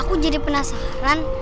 aku jadi penasaran